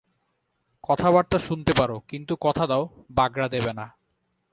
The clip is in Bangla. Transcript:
কথাবার্তা শুনতে পারো, কিন্তু কথা দাও, বাগড়া দেবে না।